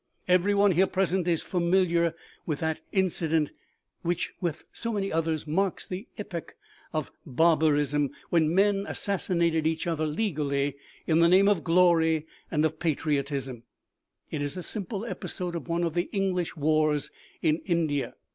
Everyone here present is familiar with that inci dent which, with so many others, marks the epoch of bar barism, when men assassinated each other legally in the name of glory and of patriotism ; it is a simple episode of one of the English wars in India.